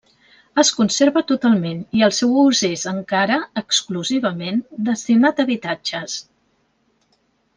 Es conserva totalment i el seu ús és encara, exclusivament, destinat a habitatges.